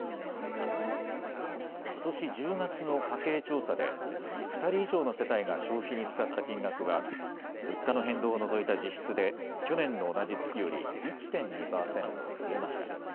ことし１０月の家計調査で２人以上の世帯が消費に使った金額は物価の変動を除いた実質で去年のの同じ月より１．２％増えました。